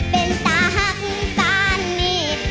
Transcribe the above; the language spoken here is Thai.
เป็นตาหักปานนี้